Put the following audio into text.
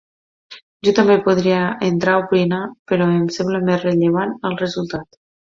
Jo també podria entrar a opinar però em sembla més rellevant el resultat.